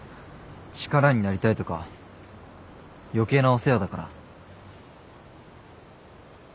力になりたいとか余計なお世話だから。